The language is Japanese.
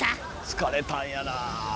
疲れたんやな。